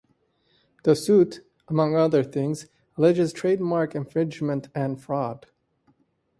The suit, among other things, alleges trademark infringement and fraud.